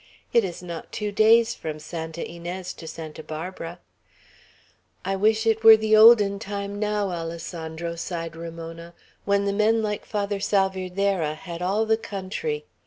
It is not two days from Santa Inez to Santa Barbara." "I wish it were the olden time now, Alessandro," sighed Ramona, "when the men like Father Salvierderra had all the country.